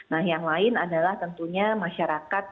nah yang lain adalah tentunya masyarakat